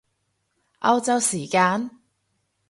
歐洲時間？